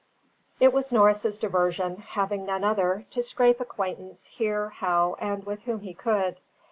It was Norris's diversion, having none other, to scrape acquaintance, where, how, and with whom he could.